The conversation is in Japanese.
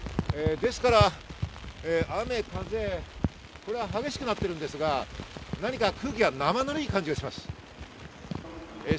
ですから雨風、激しくなっているんですが、何か空気は生ぬるい感じがします。